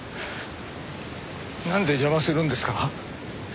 なんで邪魔するんですか？